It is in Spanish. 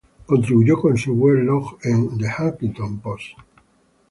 Contribuyó con su weblog en The Huffington Post.